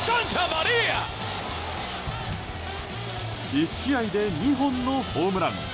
１試合で２本のホームラン。